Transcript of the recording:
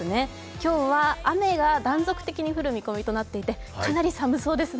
今日は雨が断続的に降る見込みとなっていてかなり寒そうですね。